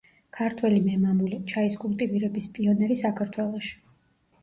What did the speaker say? ქართველი მემამულე, ჩაის კულტივირების პიონერი საქართველოში.